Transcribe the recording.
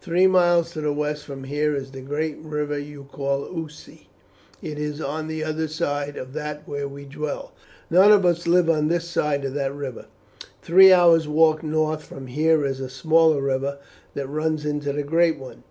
Three miles to the west from here is the great river you call the Ouse, it is on the other side of that where we dwell. None of us live on this side of that river. Three hours' walk north from here is a smaller river that runs into the great one.